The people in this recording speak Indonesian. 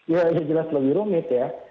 ya jelas lebih rumit ya